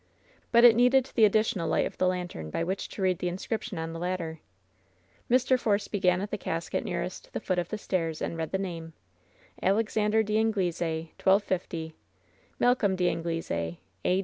But it needed the additional light of the lantern by which to read the inscription on the latter, Mr. Force began at the casket nearest the foot of the stairs and read the name — Alexander d'Anglesay, 1250 j Malcolm d'Anglesay, A.